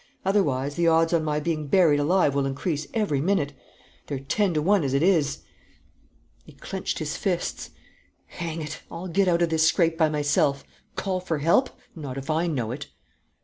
Otherwise, the odds on my being buried alive will increase every minute. They're ten to one as it is!" He clenched his fists. "Hang it! I'll get out of this scrape by myself! Call for help? Not if I know it!"